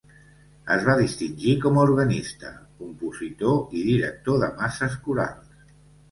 Es va distingir com a organista, compositor i director de masses corals.